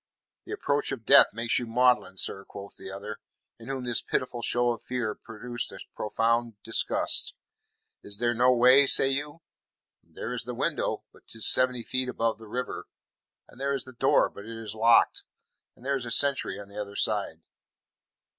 "The approach of death makes you maudlin, sir," quoth the other, in whom this pitiful show of fear produced a profound disgust. "Is there no way; say you? There is the window, but 'tis seventy feet above the river; and there is the door, but it is locked, and there is a sentry on the other side."